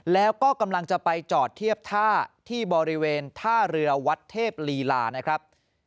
แล้วก็กำลังจะไปจอดเทียบท่าที่บริเวณท่าเรือวัดเทพลีลานะครับ